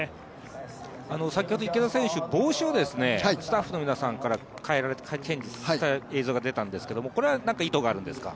先ほど池田選手、帽子をスタッフの皆さんからチェンジした映像が出たんですがこれは意図があるんですか？